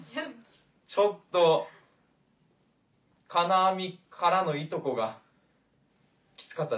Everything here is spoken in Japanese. ちょっと「金網」からの「いとこ」がキツかったです。